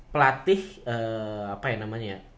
pelatih apa ya namanya